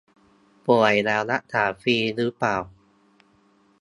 ป่วยแล้วรักษาฟรีหรือเปล่า